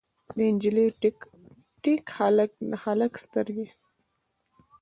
د نجلۍ ټیک، د هلک سترګې